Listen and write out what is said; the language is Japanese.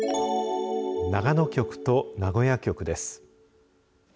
長野局と名古屋局です。